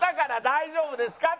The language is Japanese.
大丈夫ですか？